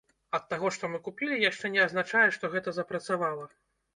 Ад таго, што мы купілі, яшчэ не азначае, што гэта запрацавала.